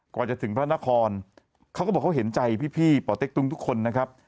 กว่าจะถึงพระนครเขาก็บอกเขาเห็นใจพี่ป่อเต็กตุ้งทุกคนนะครับ